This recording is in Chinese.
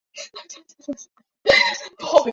登顶路线是行经北坳的北侧路线。